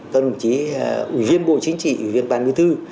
các đồng chí ủy viên bộ chính trị ủy viên ban bưu thư